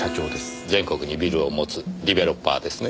全国にビルを持つディベロッパーですね。